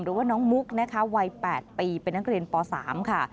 หรือว่าน้องมุกนะคะวัย๘ปีเป็นนักเรียนป๓ค่ะ